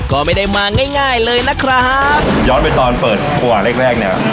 ก็ไม่ได้มาง่ายง่ายเลยนะครับย้อนไปตอนเปิดครัวแรกแรกเนี่ย